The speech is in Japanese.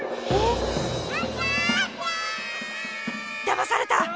だまされた！